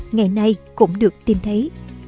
ngày nay cũng được tìm thấy